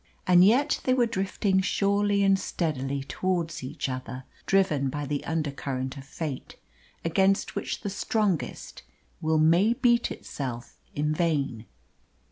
And yet they were drifting surely and steadily towards each other, driven by the undercurrent of Fate, against which the strongest will may beat itself in vain.